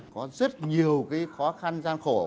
có rất nhiều khó khăn gian khổ